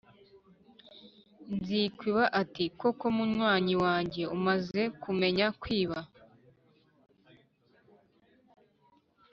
" Nzikwiba ati: "Koko munywanyi wanjye umaze kumenya kwiba ?